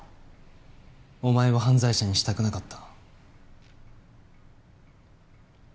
お前を犯罪者にしたくなかった。